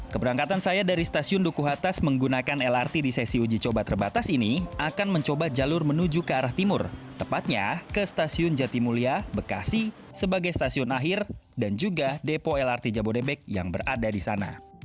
keberangkatan saya dari stasiun dukuh atas menggunakan lrt di sesi uji coba terbatas ini akan mencoba jalur menuju ke arah timur tepatnya ke stasiun jatimulia bekasi sebagai stasiun akhir dan juga depo lrt jabodebek yang berada di sana